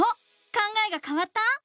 考えがかわった？